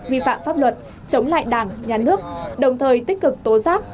vi phạm pháp luật chống lại đảng nhà nước đồng thời tích cực tố giác